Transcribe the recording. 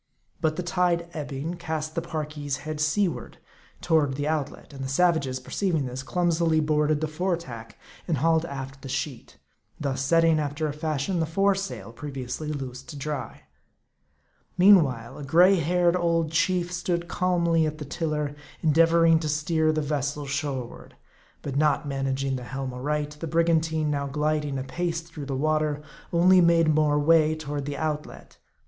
But the tide ebbing, cast the Parki's head seaward toward the out let ; and the savages, perceiving this, clumsily boarded the fore tack, and hauled aft the sheet ; thus setting, after a fashion, the fore sail, previously loosed to dry. Meanwhile, a gray headed old chief stood calmly at the tiller, endeavoring to steer the vessel shoreward. But not managing the helm aright, the brigantine, now gliding apace through the water, only made more way toward the outlet.